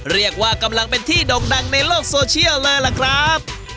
เรียกว่ากำลังเป็นที่ด่งดังในโลกโซเชียลเลยล่ะครับ